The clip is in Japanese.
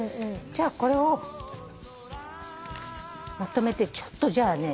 これをまとめてちょっとじゃあね。